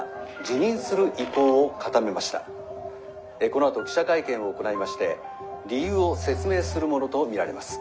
このあと記者会見を行いまして理由を説明するものと見られます」。